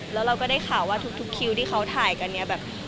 เราก็ได้ว่าถึงทุกคิวที่เค้าถ่ายกันเนี่ยแบบ